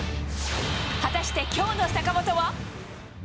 果たして、きょうの坂本は。